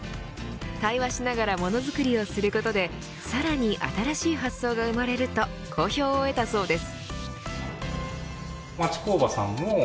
対話しながらもの作りをすることでさらに新しい発想が生まれると好評を得たそうです。